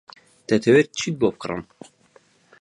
دەتەوێت چیت بۆ بکڕم؟